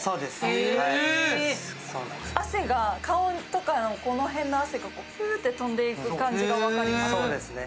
汗が顔とかのこの辺の汗がふっと飛んでいくのが分かる。